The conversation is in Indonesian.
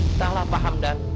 entahlah pak hamdan